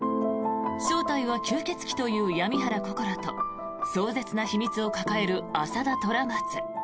正体は吸血鬼という闇原こころと壮絶な秘密を抱える朝田虎松。